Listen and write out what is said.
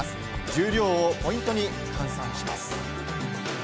重量をポイントに換算します。